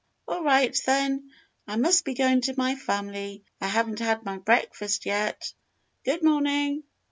"All right, then. I must be going to my family. I haven't had my breakfast yet. Good morning!"